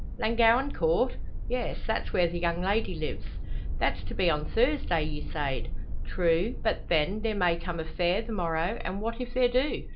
"Llangowen Court?" "Yes; that's where the young lady lives." "That's to be on Thursday, ye sayed?" "True; but, then, there may come a fare the morrow, an' what if there do?